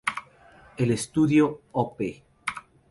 El Estudio Op.